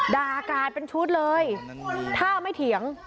ดากันเป็นชุดเลย